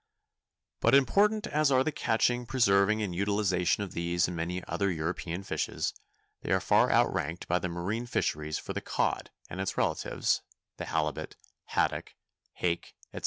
But important as are the catching, preserving, and utilization of these and many other European fishes, they are far outranked by the marine fisheries for the cod and its relatives, the halibut, haddock, hake, etc.